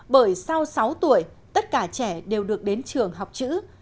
bởi sau sáu tuổi tất cả trẻ đều được đến trường học chữ